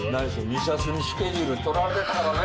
２サスにスケジュール取られてたからね。